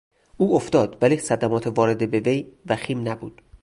او افتاد ولی صدمات وارده به وی وخیم نبود.